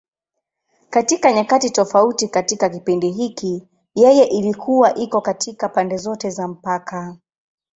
Katika nyakati tofauti katika kipindi hiki, yeye ilikuwa iko katika pande zote za mpaka.